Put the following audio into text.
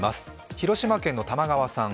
広島県の玉川さん。